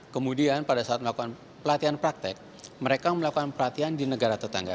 kemudian pada saat melakukan pelatihan praktek mereka melakukan pelatihan di negara tetangga